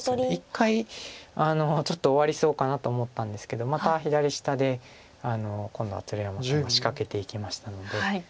一回ちょっと終わりそうかなと思ったんですけどまた左下で今度は鶴山さんが仕掛けていきましたので。